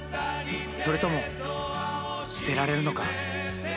それとも捨てられるのか？